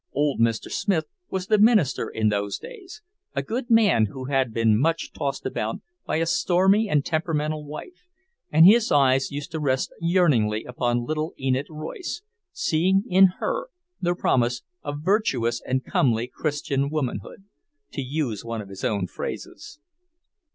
Old Mr. Smith was the minister in those days, a good man who had been much tossed about by a stormy and temperamental wife and his eyes used to rest yearningly upon little Enid Royce, seeing in her the promise of "virtuous and comely Christian womanhood," to use one of his own phrases.